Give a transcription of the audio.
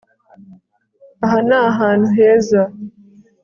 Aha ni ahantu heza